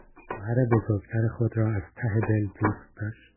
خواهر بزرگتر خود را از ته دل دوست داشت.